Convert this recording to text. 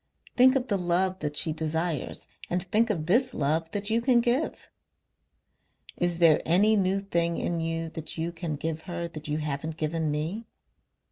"Think of the love that she desires and think of this love that you can give.... "Is there any new thing in you that you can give her that you haven't given me?